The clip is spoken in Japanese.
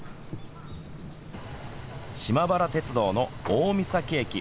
島原鉄道の大三東駅。